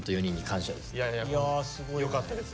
いやいやよかったです。